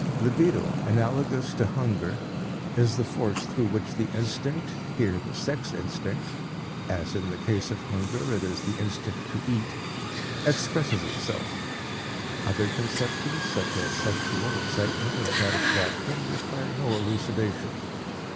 Libido, analogous to hunger, is the force through which the instinct, here the sex instinct (as in the case of hunger it is the instinct to eat) expresses itself. Other conceptions, such as sexual excitement and satisfaction, require no elucidation.